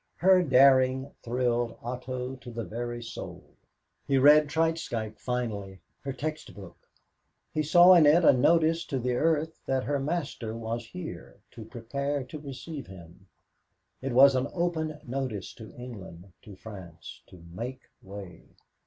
Her daring thrilled Otto to the very soul. He read Treitschke finally. Her text book. He saw in it a notice to the earth that her master was here, to prepare to receive him. It was an open notice to England, to France, to make way.